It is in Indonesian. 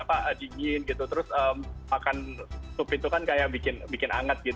apa dingin gitu terus makan sup itu kan kayak bikin hangat gitu